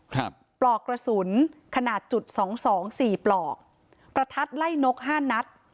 ปลอกกระสุนขนาดจุดสองสองสี่ปลอกประทัดไล่นกห้านัด